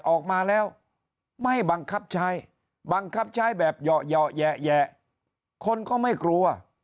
ออกมาแล้วไม่บังคับใช้บังคับใช้แบบเหยาะแยะคนก็ไม่กลัว